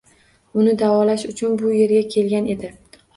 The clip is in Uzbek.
Uni davolash uchun bu yerga kelgan edi.